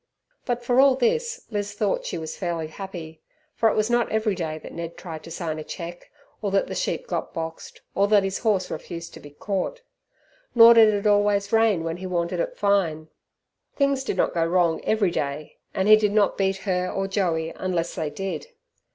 But for all this Liz thought she was fairly happy. For it was not every day that Ned tried to sign a cheque or that the sheep got boxed, or that his horse refused to be caught. Nor did it always rain when he wanted it fine. Things did not go wrong every day, and he did not beat her or Joey unless they did.